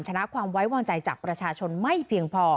ชนะความไว้วางใจจากประชาชนไม่เพียงพอ